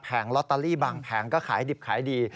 ลอตเตอรี่บางแผงก็ขายดิบขายดี